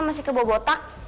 masih ke bobotak